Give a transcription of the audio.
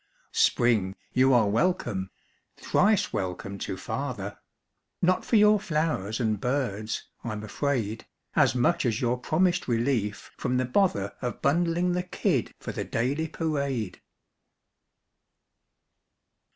Spring, you are welcome, thrice welcome to father; Not for your flowers and birds, I'm afraid, As much as your promised relief from the bother Of bundling the kid for the daily parade.